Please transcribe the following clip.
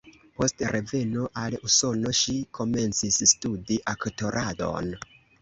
Post reveno al Usono, ŝi komencis studi aktoradon.